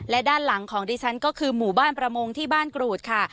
และด้านหลังของดิฉันก็คือหมู่บ้านประมงที่บ้านกรูดค่ะ